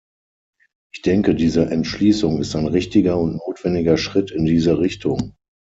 Ich denke, diese Entschließung ist ein richtiger und notwendiger Schritt in diese Richtung.